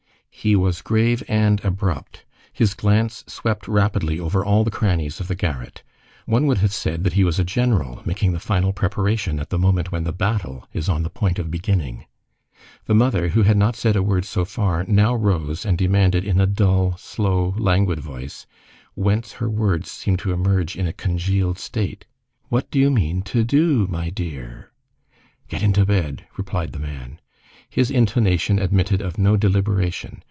He was grave and abrupt. His glance swept rapidly over all the crannies of the garret. One would have said that he was a general making the final preparation at the moment when the battle is on the point of beginning. The mother, who had not said a word so far, now rose and demanded in a dull, slow, languid voice, whence her words seemed to emerge in a congealed state:— "What do you mean to do, my dear?" "Get into bed," replied the man. His intonation admitted of no deliberation.